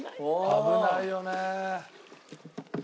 危ないよね。